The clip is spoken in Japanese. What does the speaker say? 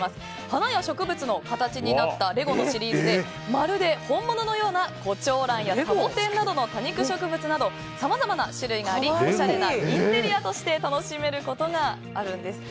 花や植物の形になったレゴのシリーズでまるで本物のような胡蝶蘭やサボテンなどの多肉植物などさまざまな種類がありおしゃれなインテリアとして楽しめることができるんです。